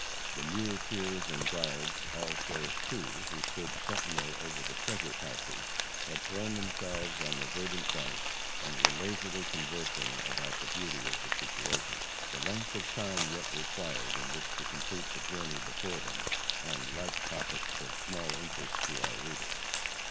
The muleteers and guards, all save two, who stood sentinel over the treasure pouches, had thrown themselves on the verdant bank, and were lazily conversing about the beauty of the situation; the length of time yet required in which to complete the journey before them, and like topics of small interest to our readers.